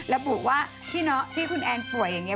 ระบุว่าที่คุณแอนป่วยอย่างนี้